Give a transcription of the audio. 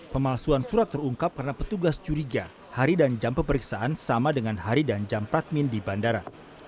pemalsuan surat terungkap karena petugas curiga hari dan jam pemeriksaan sama dengan hari dan jam pradmin di bandara